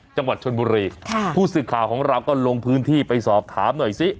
จังหวัดชนบุรีค่ะผู้สื่อข่าวของเราก็ลงพื้นที่ไปสอบถามหน่อยซิ